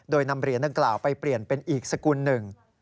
โดยนำเหรียญดังกล่าวไปเปลี่ยนเป็นอีกสกุลหนึ่ง